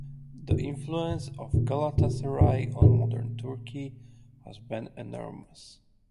The influence of Galatasaray on modern Turkey has been enormous.